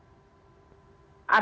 atau karena pembelajaran yang dibangun